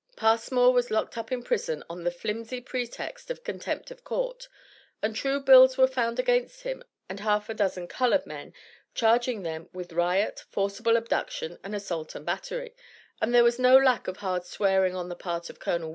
Passmore was locked up in prison on the flimsy pretext of contempt of court, and true bills were found against him and half a dozen colored men, charging them with "riot," "forcible abduction," and "assault and battery," and there was no lack of hard swearing on the part of Col.